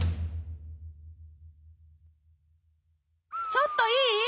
ちょっといい？